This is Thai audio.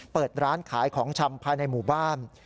เปิดร้านขายของชำภายในหมู่บ้าน